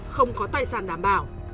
không có tài sản đảm bảo